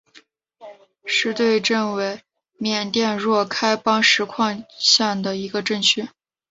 实兑镇为缅甸若开邦实兑县的镇区。